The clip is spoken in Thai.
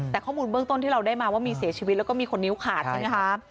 แต่ข้อมูลเบื้องต้นที่เราได้มาว่ามีเสียชีวิตแล้วก็มีคนนิ้วขาดใช่ไหมคะ